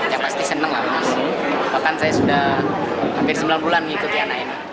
yang pasti senang lah mas bahkan saya sudah hampir sembilan bulan mengikuti anak ini